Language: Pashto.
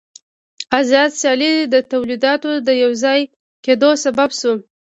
آزاده سیالي د تولیداتو د یوځای کېدو سبب شوه